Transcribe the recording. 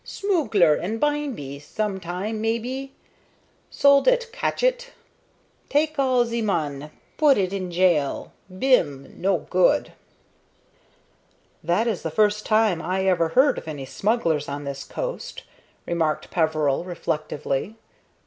Smoogler, an' bimeby, some time, maybe, soldat catch it. Take all ze mun, put it in jail. Bim! No good!" "That is the first time I ever heard of any smugglers on this coast," remarked Peveril, reflectively.